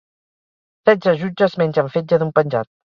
Setze jutges mengen fetge d'un penjat